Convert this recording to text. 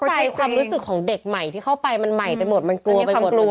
ใจความรู้สึกของเด็กใหม่ที่เข้าไปมันใหม่ไปหมดมันกลัวไปหมดเลย